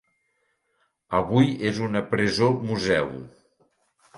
Avui és una presó museu.